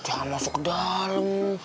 jangan masuk ke dalam